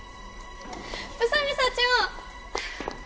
宇佐美社長！